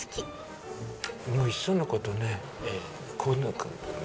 もういっその事ね。